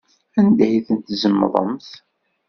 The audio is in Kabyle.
Anda ay ten-tzemḍemt?